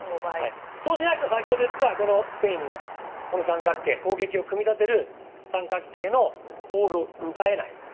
そうしないと先ほど言ったスペインの三角形攻撃を組み立てる三角形のボールを奪えない。